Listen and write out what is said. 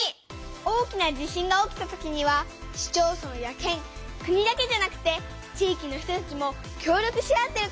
大きな地震が起きたときには市町村や県国だけじゃなくて地域の人たちも協力し合ってることがわかったよ！